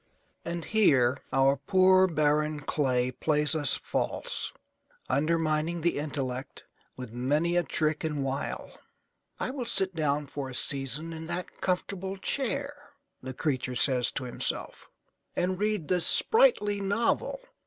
And here our poor barren clay plays us false, undermining the intellect with many a trick and wile. "I will sit down for a season in that comfortable chair," the creature says to himself, "and read this sprightly novel.